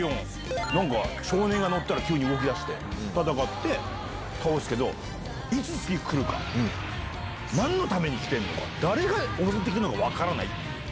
少年が乗ったら急に動きだして戦って倒すけどいつ次来るか何のために来てるのか誰が襲って来るか分からない